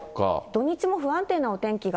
土日も不安定なお天気が。